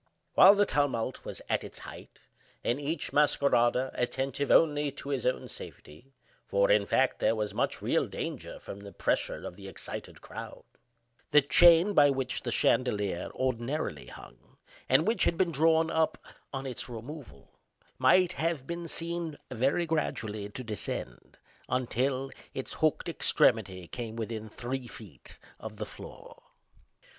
While the tumult was at its height, and each masquerader attentive only to his own safety (for, in fact, there was much real danger from the pressure of the excited crowd), the chain by which the chandelier ordinarily hung, and which had been drawn up on its removal, might have been seen very gradually to descend, until its hooked extremity came within three feet of the floor.